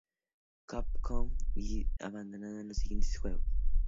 Capcom" y abandonado en los siguientes juegos.